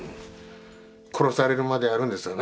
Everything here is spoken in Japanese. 殺されるまでやるんですよ。